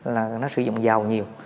là nó sử dụng dầu nhiều